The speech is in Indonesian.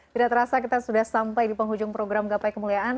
tidak terasa kita sudah sampai di penghujung program gapai kemuliaan